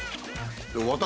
私？